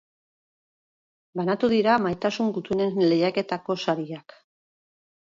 Banatu dira Maitasun Gutunen lehiaketako sariak.